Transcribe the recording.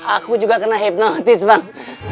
aku juga kena hipnotis bang